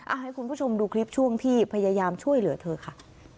เอาให้คุณผู้ชมดูคลิปช่วงที่พยายามช่วยเหลือเธอค่ะ